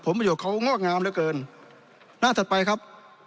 ผมไม่อยู่กับเขางอกงามเหลือเกินหน้าถัดไปครับ